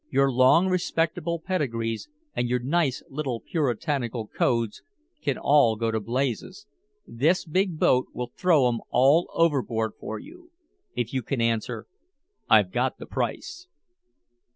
"Your long respectable pedigrees and your nice little Puritanical codes can all go to blazes this big boat will throw 'em all overboard for you if you can answer, 'I've got the price.'"